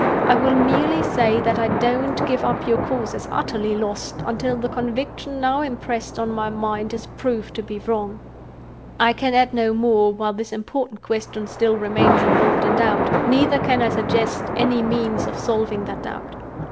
I will merely say that I don't give up your cause as utterly lost, until the conviction now impressed on my own mind is proved to be wrong. "I can add no more, while this important question still remains involved in doubt; neither can I suggest any means of solving that doubt.